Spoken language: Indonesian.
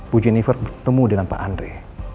pu jennifer bertemu dengan pak andre